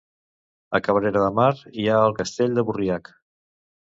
A Cabrera de Mar hi ha el Castell de Burriac